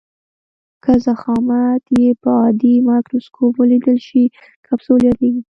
که ضخامت یې په عادي مایکروسکوپ ولیدل شي کپسول یادیږي.